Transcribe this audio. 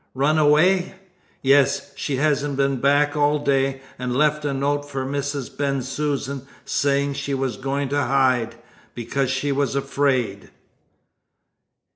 "Run away!" "Yes! She hasn't been back all day, and left a note for Mrs. Bensusan saying she was going to hide, because she was afraid."